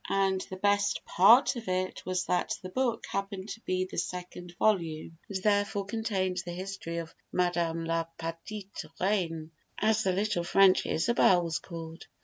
And the best part of it was that the book happened to be the second volume, and therefore contained the history of Madame la Petite Reine, as the little French Isabel was called.